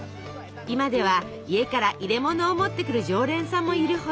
今では家から入れものを持ってくる常連さんもいるほど。